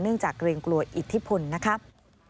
จากเกรงกลัวอิทธิพลนะครับ